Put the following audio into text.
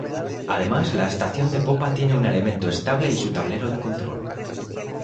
Además la estación de popa tiene un elemento estable y su tablero de control.